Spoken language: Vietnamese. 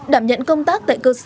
đảm nhận công tác tại cơ sở là vấn đề